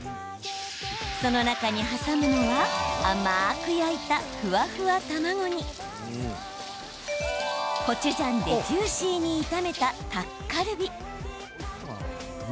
その中に挟むのは甘く焼いた、ふわふわ卵にコチュジャンでジューシーに炒めたタッカルビ。